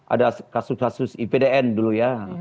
ada kasus kasus ipdn dulu ya